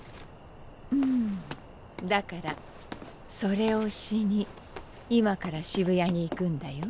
うんだからそれをしに今から渋谷に行くんだよ。